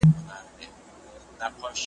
په مناسبت جشن جوړ کړي ,